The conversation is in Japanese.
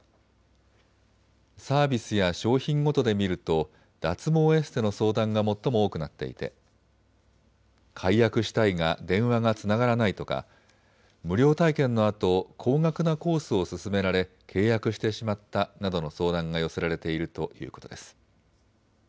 サービスや商品ごとで見ると脱毛エステの相談が最も多くなっていて解約したいが電話がつながらないとか無料体験のあと高額なコースを勧められ契約してしまったなどの相談が寄せられているということです。